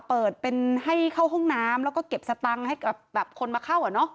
เปิดเป็นให้เข้าห้องน้ำแล้วก็เก็บสตังค์ให้กับแบบคนมาเข้าอ่ะเนอะ